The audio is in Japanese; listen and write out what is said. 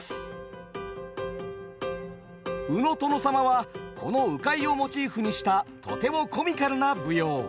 「鵜の殿様」はこの鵜飼をモチーフにしたとてもコミカルな舞踊。